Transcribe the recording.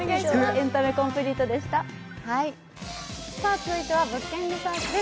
続いては「物件リサーチ」です。